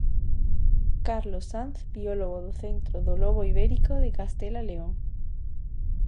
Carlos Sanz, biólogo do centro do lobo ibérico de Castela León.